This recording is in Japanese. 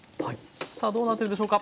さあどうなってるでしょうか？